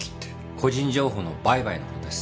個人情報の売買の事です。